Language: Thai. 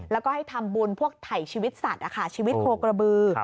แล้วก็ให้ทำบุญพวกถ่ายชีวิตสัตว์ชีวิตโคกระบือ